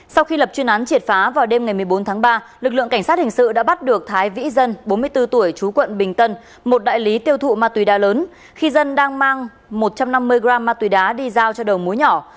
sau khi lập chuyên án triệt phá vào đêm ngày một mươi bốn tháng ba lực lượng cảnh sát hình sự đã bắt được thái vĩ dân bốn mươi bốn tuổi chú quận bình tân một đại lý tiêu thụ ma túy đá lớn khi dân đang mang một trăm năm mươi g ma túy đá đi giao cho đầu mối nhỏ